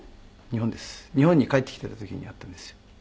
日本に帰ってきていた時に会ったんですよ。